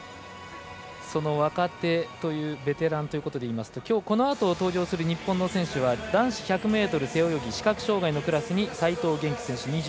その若手ベテランということで言いますときょう、このあとに登場する日本の選手は男子１００ｍ背泳ぎ視覚障がいのクラスに齊藤元希選手。